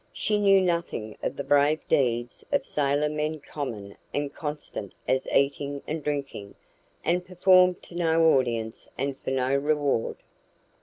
She knew nothing of the brave deeds of sailor men common and constant as eating and drinking, and performed to no audience and for no reward.